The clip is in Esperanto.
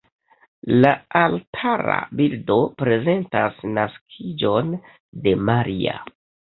La altara bildo prezentas naskiĝon de Maria.